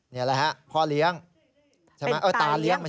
นี่แหละฮะพ่อเลี้ยง